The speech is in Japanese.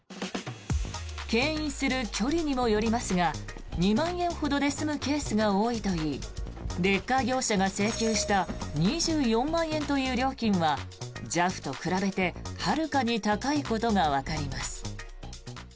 けん引する距離にもよりますが２万円ほどで済むケースが多いといいレッカー業者が請求した２４万円という料金はＪＡＦと比べてはるかに高いことがわかります。